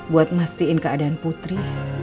buat mastiin keadaan putri